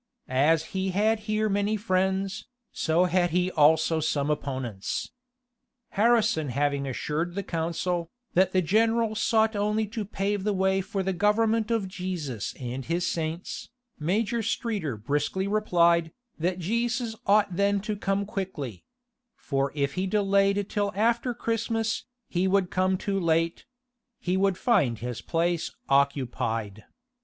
As he had here many friends, so had he also some opponents. Harrison having assured the council, that the general sought only to pave the way for the government of Jesus and his saints, Major Streater briskly replied, that Jesus ought then to come quickly: for if he delayed it till after Christmas, he would come too late; he would find his place occupied.